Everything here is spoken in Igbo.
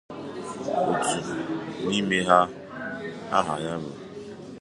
Otu n’ime ha aha ya bụ